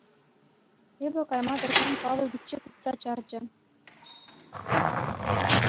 Эпӗ кайма тӑрсан, Павӑл пичче тытса чарчӗ.